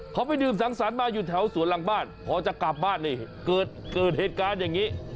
เขาไปดื่มสังสรรค์มาอยู่แถวสวนหลังบ้านพอจะกลับบ้านนี่เกิดเหตุการณ์อย่างนี้